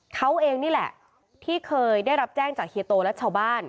เขาเองนี่แหละที่เคยได้รับแจ้งจากเฮียโตและชาวบ้าน